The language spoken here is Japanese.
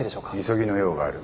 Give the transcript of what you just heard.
急ぎの用がある。